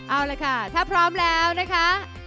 เอาละค่ะถ้าพร้อมแล้วนะคะ